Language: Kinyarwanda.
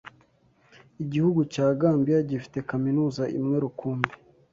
Igihugu cya Gambia gifite kaminuza imwe rukumbi!